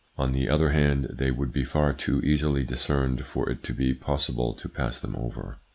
On the other hand, they would be far too easily discerned for it to be possible to pass them over.